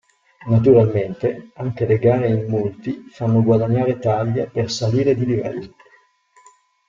Naturalmente, anche le gare in multi fanno guadagnare taglia per salire di livello.